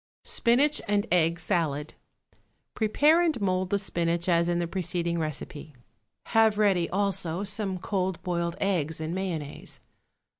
=Spinach and Egg Salad.= (See cut facing page 84.) Prepare and mould the spinach as in the preceding recipe. Have ready, also, some cold boiled eggs and mayonnaise.